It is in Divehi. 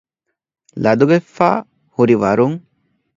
ލަދުގަތްފައި ހުރިވަރުން